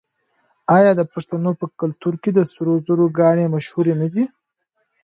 آیا د پښتنو په کلتور کې د سرو زرو ګاڼې مشهورې نه دي؟